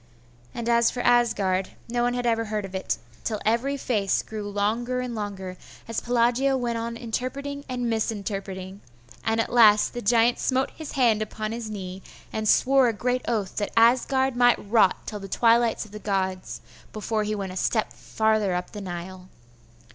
and as for Asgard, no one had ever heard of it.... till every face grew longer and longer, as Pelagia went on interpreting and misinterpreting; and at last the giant smote his hand upon his knee, and swore a great oath that Asgard might rot till the twilight of the gods before he went a step farther up the Nile.